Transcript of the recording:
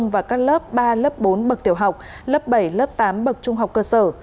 và các lớp ba lớp bốn bậc tiểu học lớp bảy lớp tám bậc trung học cơ sở